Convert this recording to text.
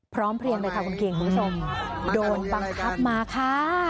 พร้อมเพรียรย์เลยคะท่านเกถคุณผู้ชมโดนบังคับมาค่ะ